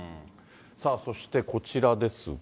さあそして、こちらですが。